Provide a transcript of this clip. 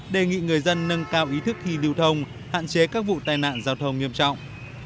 đề nghị người dân nâng cao ý thức khi lưu thông hạn chế các vụ tai nạn giao thông nghiêm trọng